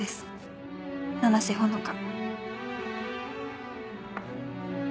「七瀬ほのか」